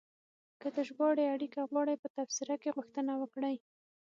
که د ژباړې اړیکه غواړئ، په تبصره کې غوښتنه وکړئ.